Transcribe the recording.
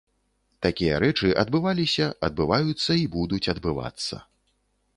Такія рэчы адбываліся, адбываюцца і будуць адбывацца.